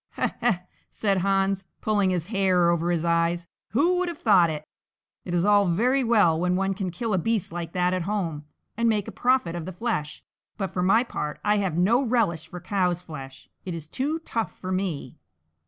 "Eh! eh!" said Hans, pulling his hair over his eyes, "who would have thought it? It is all very well when one can kill a beast like that at home, and make a profit of the flesh; but for my part I have no relish for cow's flesh; it is too tough for me!